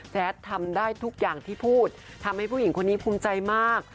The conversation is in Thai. ทำได้ทุกอย่างที่พูดทำให้ผู้หญิงคนนี้ภูมิใจมาก